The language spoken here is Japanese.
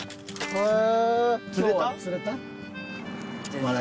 へえ！